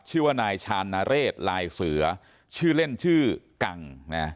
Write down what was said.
ชื่อว่านายชาญนเรศลายเสือชื่อเล่นชื่อกังนะ